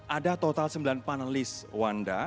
ada total sembilan panelis wanda